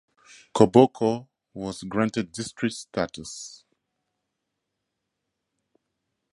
Koboko was granted district status.